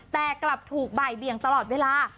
แต่กลับถูกบ่ายเบียงตลอดเวลา